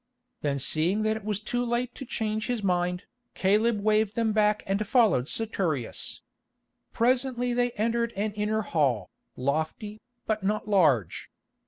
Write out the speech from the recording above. Then seeing that it was too late to change his mind, Caleb waved them back and followed Saturius. Presently they entered an inner hall, lofty, but not large.